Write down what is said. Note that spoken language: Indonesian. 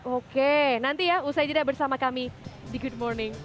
oke nanti ya usai jeda bersama kami di good morning